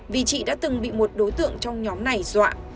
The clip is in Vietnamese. vì chị đã từng bị một đối tượng trong nhóm này dọa